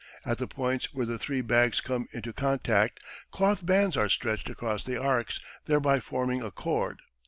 At the points where the three bags come into contact cloth bands are stretched across the arcs, thereby forming a cord.